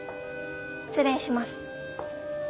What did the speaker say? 失礼します。